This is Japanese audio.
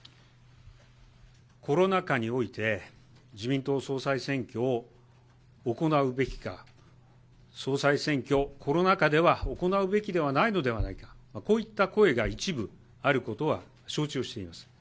コロナ禍において、自民党総裁選挙を行うべきか、総裁選挙、コロナ禍では行うべきではないのではないか、こういった声が一部あることは承知をしています。